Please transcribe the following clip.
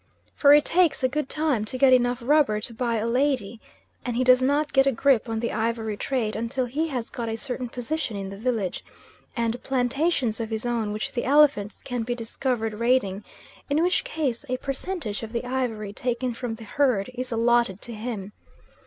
For it takes a good time to get enough rubber to buy a lady, and he does not get a grip on the ivory trade until he has got a certain position in the village, and plantations of his own which the elephants can be discovered raiding, in which case a percentage of the ivory taken from the herd is allotted to him.